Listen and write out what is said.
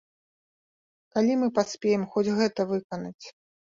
Калі мы паспеем хоць гэта выканаць!?